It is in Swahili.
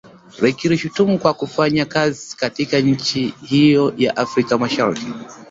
likilishutumu kwa kufanya kazi katika nchi hiyo ya Afrika Mashariki